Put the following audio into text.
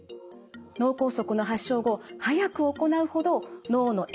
脳梗塞の発症後早く行うほど脳のえ